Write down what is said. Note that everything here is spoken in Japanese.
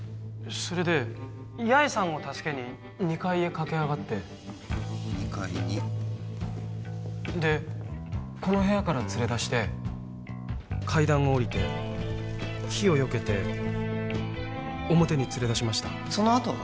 それでヤエさんを助けに２階へ駆け上がって２階にでこの部屋から連れ出して階段を下りて火をよけて表に連れ出しましたその後は？